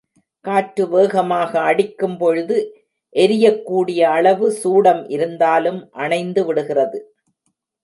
காற்று வேகமாக அடிக்கும் பொழுது எரியக் கூடிய அளவு சூடம் இருந்தாலும் அணைந்துவிடுகிறது!